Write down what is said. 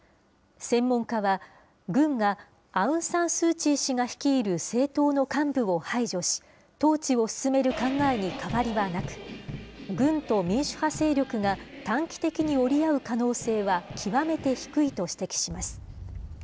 専門家は、軍がアウン・サン・スー・チー氏が率いる政党の幹部を排除し、統治を進める考えに変わりはなく、軍と民主派勢力が短期的に折り合う可能性は極めて低いと指摘します。